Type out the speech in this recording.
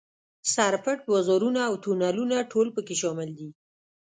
سر پټ بازارونه او تونلونه ټول په کې شامل دي.